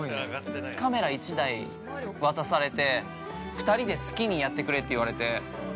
カメラ１台渡されて２人で好きにやってくれって言われて。